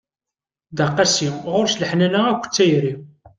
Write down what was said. Dda qasi, ɣur-s leḥnana akked tayri.